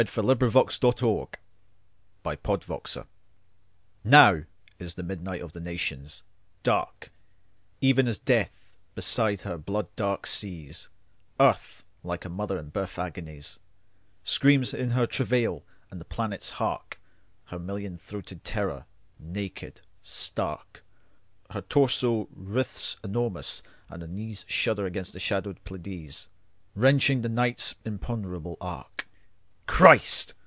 1917. Percy MacKaye Christmas: 1915 NOW is the midnight of the nations: darkEven as death, beside her blood dark seas, Earth, like a mother in birth agonies, Screams in her travail, and the planets harkHer million throated terror. Naked, stark, Her torso writhes enormous, and her kneesShudder against the shadowed PleiadesWrenching the night's imponderable arc. Christ!